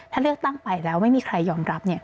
ถ้าเลือกตั้งไปแล้วไม่มีใครยอมรับ